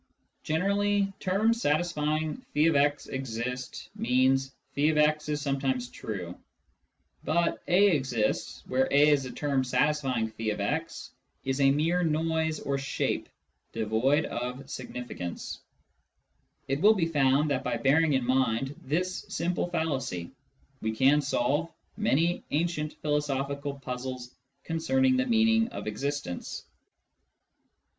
Generally, " terms satisfying tf>x exist " means " x is sometimes true "; but " a exists " (where a is a term satisfying x) is a mere noise or shape, devoid of significance. It will be found that by bearing in mind this simple fallacy we can solve many ancient philosophical puzzles concerning the meaning of existence.